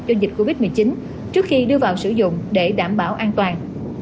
do dịch covid một mươi chín trước khi đưa vào sử dụng để đảm bảo an toàn